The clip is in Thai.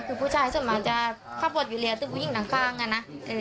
คือผู้ชายส่วนมากจะขับบอดอยู่เรียกถึงผู้หญิงด้านข้างกันนะ